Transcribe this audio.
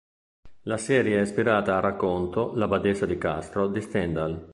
La serie è ispirata al racconto "La badessa di Castro" di Stendhal.